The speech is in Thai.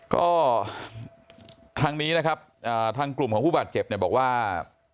ก็ทางนี้นะครับทางกลุ่มของผู้บาดเจ็บเนี่ยบอกว่า